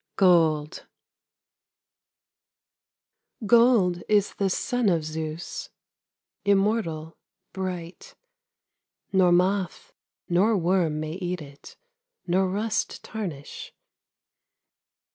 GOLD Gold is the son of Zeus, Immortal, bright; Nor moth nor worm may eat it, Nor rust tarnish.